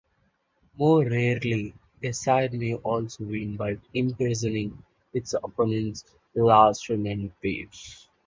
More rarely, a side may also win by imprisoning its opponent's last remaining piece.